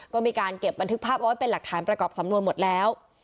ก็มีการเก็บบันทึกภาพเอาไว้เป็นหลักฐานประกอบสำนวนหมดแล้ว